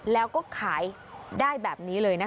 แล้วก็ขายได้แบบนี้เลยนะคะ